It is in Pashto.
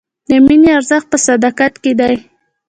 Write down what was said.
د مینې ارزښت په صداقت کې دی.